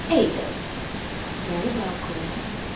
Avis? " "Very well, Coy."